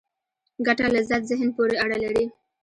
ګټه لذت ذهن پورې اړه لري.